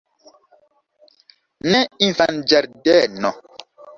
Ne infanĝardeno.